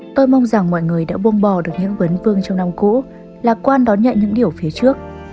tôi mong rằng mọi người đã buông bò được những vấn vương trong năm cũ lạc quan đón nhận những điều phía trước